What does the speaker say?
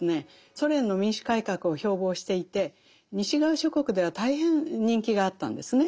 ソ連の民主改革を標榜していて西側諸国では大変人気があったんですね。